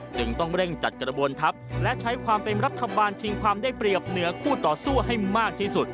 จึงต้องเร่งจัดกระบวนทัพและใช้ความเป็นรัฐบาลชิงความได้เปรียบเหนือคู่ต่อสู้ให้มากที่สุด